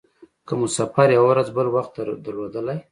که مو سفر یوه ورځ بل وخت درلودلای.